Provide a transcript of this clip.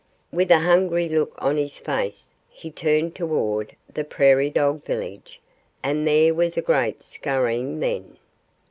With a hungry look on his face he turned toward the prairie dog village. And there was a great scurrying then.